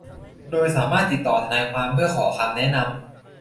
โดยสามารถติดต่อทนายความเพื่อขอคำแนะนำ